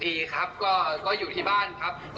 ดีครับก็อยู่ที่บ้านครับ